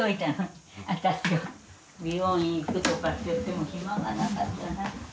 美容院行くとかっていっても暇がなかったな。